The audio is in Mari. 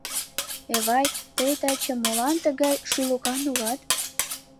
Эвай, тый таче молан тыгай шӱлыкан улат?